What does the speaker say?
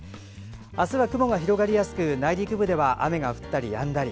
明日は雲が広がりやすく内陸部では雨が降ったりやんだり。